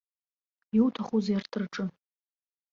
Иуҭахузеи арҭ рҿы?